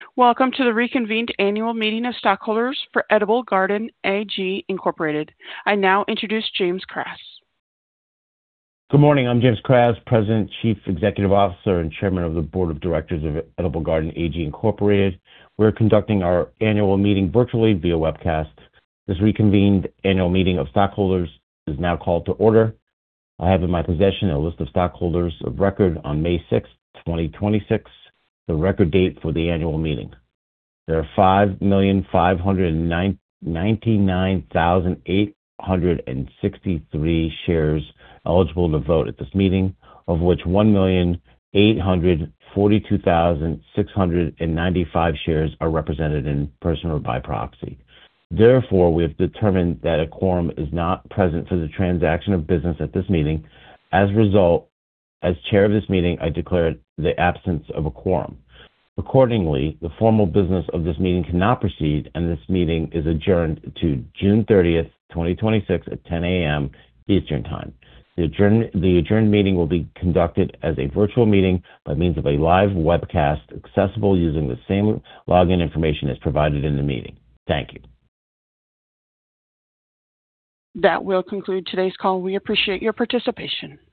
Welcome to the reconvened Annual Meeting of Stockholders for Edible Garden AG Incorporated. I now introduce Jim Kras. Good morning. I'm Jim Kras, President, Chief Executive Officer, and Chairman of the Board of Directors of Edible Garden AG Incorporated. We're conducting our annual meeting virtually via webcast. This reconvened Annual Meeting of Stockholders is now called to order. I have in my possession a list of stockholders of record on May 6th, 2026, the record date for the annual meeting. There are 5,599,863 shares eligible to vote at this meeting, of which 1,842,695 shares are represented in person or by proxy. We have determined that a quorum is not present for the transaction of business at this meeting. As result, as chair of this meeting, I declare the absence of a quorum. The formal business of this meeting cannot proceed, and this meeting is adjourned to June 30th, 2026, at 10:00 A.M. Eastern Time. The adjourned meeting will be conducted as a virtual meeting by means of a live webcast accessible using the same login information as provided in the meeting. Thank you. That will conclude today's call. We appreciate your participation.